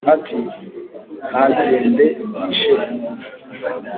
ati : ntagende yishe umuntu